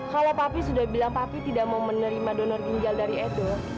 kalo papi sudah bilang papi tidak mau menerima doner ginjal dari edo